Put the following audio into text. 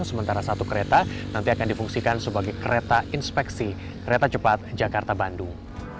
sementara satu kereta nanti akan difungsikan sebagai kereta inspeksi kereta cepat jakarta bandung